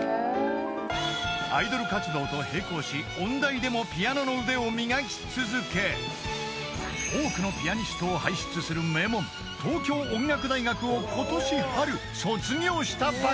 ［アイドル活動と並行し音大でもピアノの腕を磨き続け多くのピアニストを輩出する名門東京音楽大学を今年春卒業したばかり］